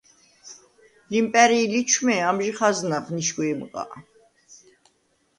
ლიმპა̈რი̄ ლიჩვმე ამჟი ხაზნახ ნიშგვეჲმჷყ-ა: